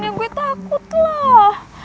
ya gue takut lah